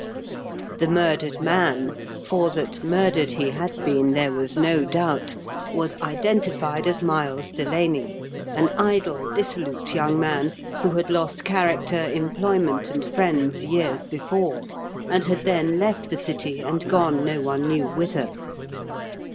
The murdered man (for that murdered he had been there was no doubt) was identified as MUes Delaney, an idle, dissolute young man, who had lost character, employment, and friends years before, and had then left the city, and gone no one knew whither.